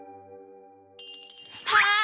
はい！